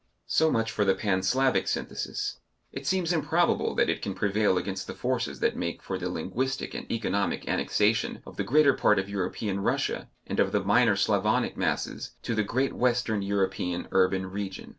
So much for the Pan Slavic synthesis. It seems improbable that it can prevail against the forces that make for the linguistic and economic annexation of the greater part of European Russia and of the minor Slavonic masses, to the great Western European urban region.